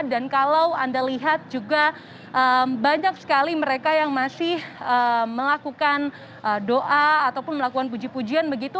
dan kalau anda lihat juga banyak sekali mereka yang masih melakukan doa ataupun melakukan puji pujian begitu